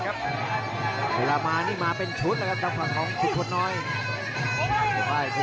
แต่ยังเก็บอาวุธเข้าต่อสู้ไม่ดี